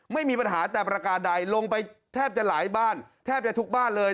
ไม่มีปัญหาแต่ประการใดลงไปแทบจะหลายบ้านแทบจะทุกบ้านเลย